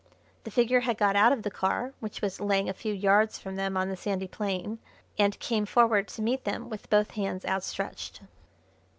The figure had got out of the car, which was laying a few yards from them on the sandy plain, and came forward to meet them with both hands outstretched.